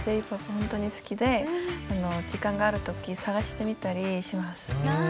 本当に好きで時間がある時探してみたりします。